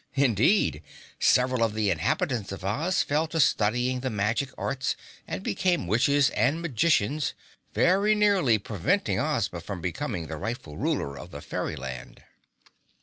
Indeed, several of the inhabitants of Oz fell to studying the magic arts and became witches and magicians, very nearly preventing Ozma from becoming the rightful ruler of the fairyland.